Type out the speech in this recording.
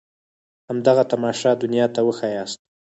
همدغه تماشه دنيا ته وښاياست.